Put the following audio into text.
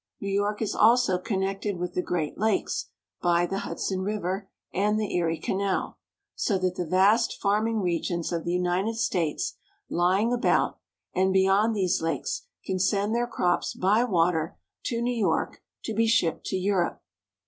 New York is also connected with the Great Lakes by the Hudson River and the Erie Canal, so that the vast farming regions of the United States lying about and beyond these lakes can send their crops by water to New York to be shipped to Europe.